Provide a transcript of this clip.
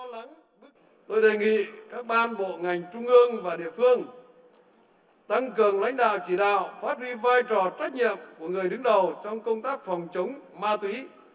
tôi đề nghị các ban bộ ngành trung ương và địa phương tăng cường lãnh đạo chỉ đạo phát huy vai trò trách nhiệm của người đứng đầu trong công tác phòng chống ma túy